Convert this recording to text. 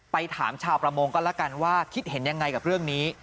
ถามชาวประมงก็แล้วกันว่าคิดเห็นยังไงกับเรื่องนี้